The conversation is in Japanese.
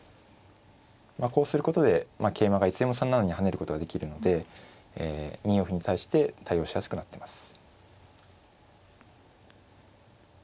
こうすることで桂馬がいつでも３七に跳ねることができるので２四歩に対して対応しやすくなってます。